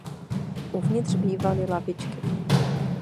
Uvnitř bývaly lavičky.